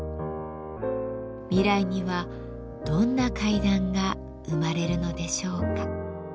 未来にはどんな階段が生まれるのでしょうか。